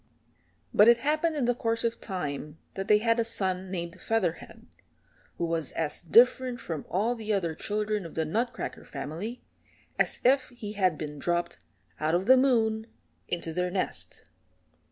But it happened in the course of time that they had a son named Featherhead, who was as different from all the other children of the Nutcracker family as if he had been dropped out of the moon into their nest.